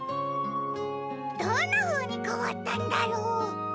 どんなふうにかわったんだろう？